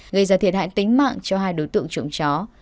gây ra thiệt hại tính mạng cho hai đối tượng trộm chó